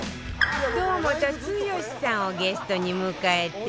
堂本剛さんをゲストに迎えて